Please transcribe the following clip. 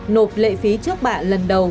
nộp lệ phí trước bạ lần đầu